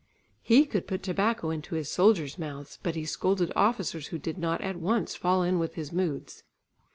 He could put tobacco into his soldiers' mouths, but he scolded officers who did not at once fall in with his moods.